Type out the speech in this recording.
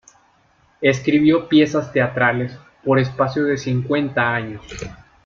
Escribió piezas teatrales por espacio de cincuenta años.